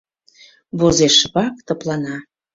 Возеш шыпак, тыплана...